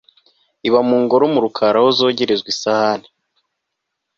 Iba mu ngoro mu Rukari aho zogerezwa isahani